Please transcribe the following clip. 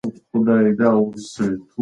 د ده په کلام کې د پښتو پخوانۍ کلمې شته.